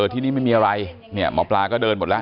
ที่นี่ไม่มีอะไรเนี่ยหมอปลาก็เดินหมดแล้ว